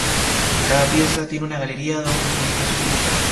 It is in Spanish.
Cada pieza tiene una galería donde se ubica una pileta.